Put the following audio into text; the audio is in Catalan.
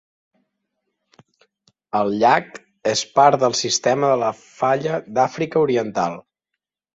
El llac és part del sistema de la falla d'Àfrica Oriental.